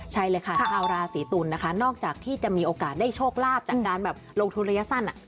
ใช่เลยค่ะชาวราศีตุลนะคะนอกจากที่จะมีโอกาสได้โชคลาภจากการแบบลงทุนระยะสั้น